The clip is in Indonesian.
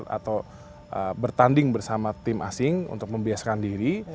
atau bertanding bersama tim asing untuk membiaskan diri